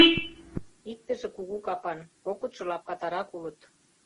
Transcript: Иктыже кугу капан, кокытшо лапкатарак улыт.